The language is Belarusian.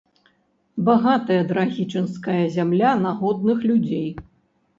Багатая драгічынская зямля на годных людзей.